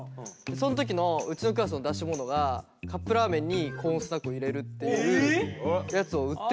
その時のうちのクラスの出し物がカップラーメンにコーンスナックを入れるっていうやつを売ってたの。